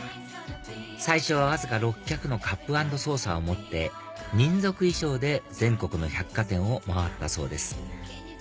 最初はわずか６００のカップ＆ソーサーを持って民族衣装で全国の百貨店を回ったそうです